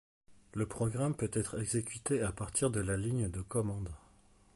Le programme peut être exécuté à partir de la ligne de commande.